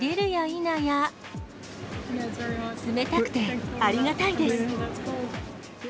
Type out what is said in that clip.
冷たくてありがたいです。